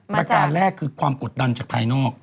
ประการแรกคือความกดดันจากภายนอก